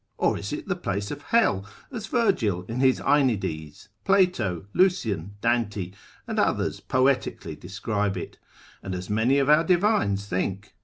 Or is it the place of hell, as Virgil in his Aenides, Plato, Lucian, Dante, and others poetically describe it, and as many of our divines think?